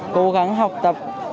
cố gắng học tập